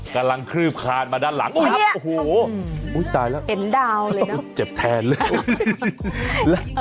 กำลังคลืบคลานมาด้านหลังโอโหโอ๊ยตายแล้วต้องเจ็บแทนเลยอื้อจนได้นะ